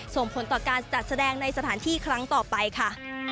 ส่งผลต่อการจัดแสดงในสถานที่ครั้งต่อไปค่ะ